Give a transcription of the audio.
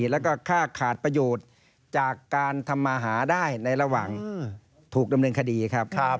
แล้วก็ค่าขาดประโยชน์จากการทำมาหาได้ในระหว่างถูกดำเนินคดีครับ